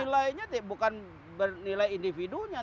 nilainya bukan bernilai individunya